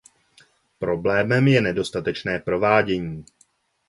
Problémem je nedostatečné provádění.